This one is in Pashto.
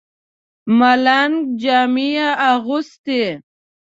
ملنګ جامې اغوستې.